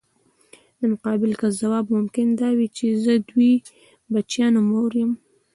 د مقابل کس ځواب ممکن دا وي چې زه د دوه بچیانو مور یم.